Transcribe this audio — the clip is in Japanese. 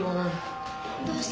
どうしたの？